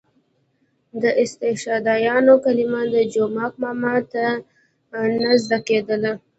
د استشهادیانو کلمه د جومک ماما ته نه زده کېدله.